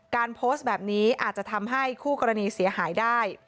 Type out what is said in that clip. โพสต์แบบนี้อาจจะทำให้คู่กรณีเสียหายได้